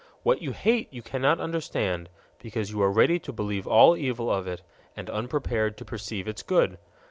What you hate you cannot understand, because you are ready to believe all evil of it, and unprepared to perceive its good.